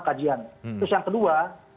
kajian terus yang kedua